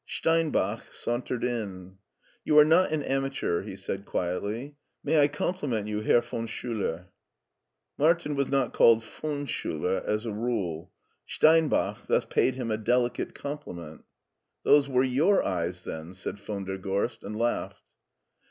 Steinbach sauntered in. " You are not an amateur/' he said quietly; may I compliment you, Herr von Schiiler?" Martin was not called von Schuler as a rule. Stein bach thus paid him a delicate compliment. " Those were your eyes, then," said von der Gorst and laughed.